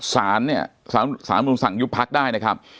สารเนี่ยสารมนุนสั่งยุบพักได้นะครับ